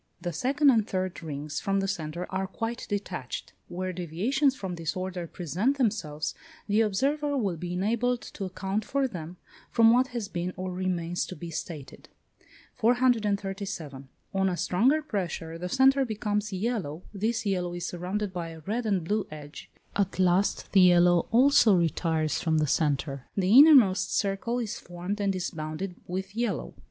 The second and third rings from the centre are quite detached. Where deviations from this order present themselves, the observer will be enabled to account for them, from what has been or remains to be stated. 437. On a stronger pressure the centre becomes yellow; this yellow is surrounded by a red and blue edge: at last, the yellow also retires from the centre; the innermost circle is formed and is bounded with yellow.